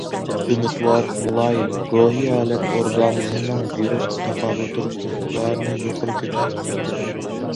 ئۈمىدۋار، مۇلايىم روھىي ھالەت ئورگانىزمنىڭ ۋىرۇسقا تاقابىل تۇرۇش ئىقتىدارىنى يۇقىرى كۆتۈرىدۇ.